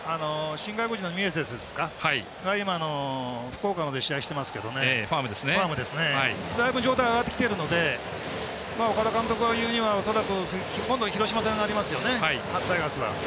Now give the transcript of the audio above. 新外国人のミエセスですか今、福岡の方で試合してますけど、だいぶ状態が上がってきているので岡田監督が言うには恐らく今度、広島戦ありますねタイガースは。